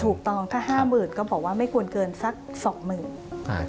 ถูกต้องถ้า๕๐๐๐ก็บอกว่าไม่ควรเกินสัก๒๐๐๐บาท